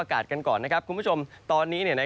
อากาศกันก่อนนะครับคุณผู้ชมตอนนี้